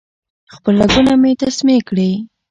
خپل رګونه مې تسمې کړې